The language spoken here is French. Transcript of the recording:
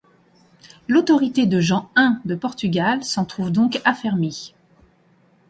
L'autorité de Jean I de Portugal s'en trouve donc affermie.